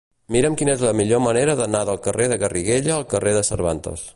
Mira'm quina és la millor manera d'anar del carrer de Garriguella al carrer de Cervantes.